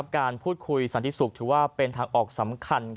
การพูดคุยสันติสุขถือว่าเป็นทางออกสำคัญ